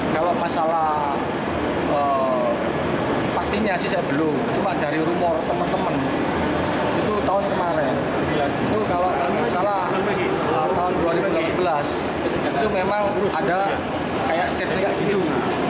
tahun dua ribu enam belas itu memang ada kayak setrika hidung